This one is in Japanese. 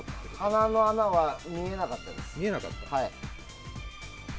鼻の穴は見えなかったです。